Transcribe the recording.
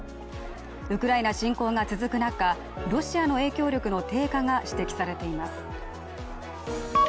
ウクライナ侵攻が続く中、ロシアの影響力の低下が指摘されています。